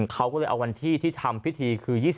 เขาก็เลยเอาวันที่ที่ทำพิธีคือ